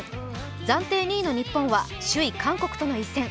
暫定２位の日本は首位・韓国との一戦。